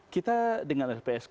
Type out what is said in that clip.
kita dengan lpsk